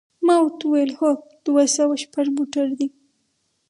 ما ورته وویل: هو، دوه سوه شپږ موټر دی.